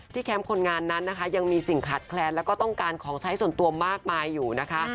แคมป์คนงานนั้นนะคะยังมีสิ่งขาดแคลนแล้วก็ต้องการของใช้ส่วนตัวมากมายอยู่นะคะ